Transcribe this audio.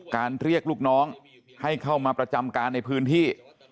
เรียกลูกน้องให้เข้ามาประจำการในพื้นที่